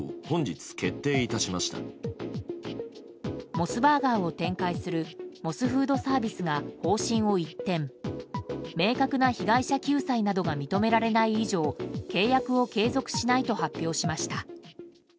モスバーガーを展開するモスフードサービスが方針を一転明確な被害者救済などが認められない以上、契約を継続しないと発表しました。